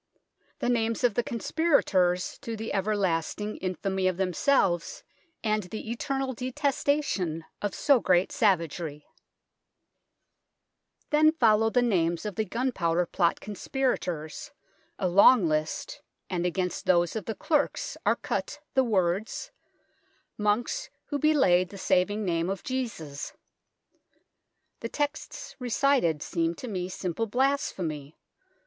The names of the conspirators to the everlasting Infamy of themselves and the eternal detestation of so great savagery Then follow the names of the Gunpowder Plot conspirators, a long list, and against 120 THE TOWER OF LONDON those of the clerks are cut the words, " Monks who belied the saving name of Jesus." The texts recited seem to me simple blasphemy.